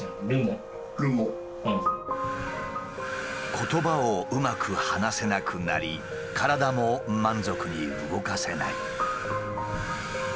言葉をうまく話せなくなり体も満足に動かせない。